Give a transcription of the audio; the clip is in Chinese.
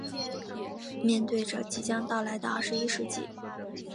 面对着即将到来的二十一世纪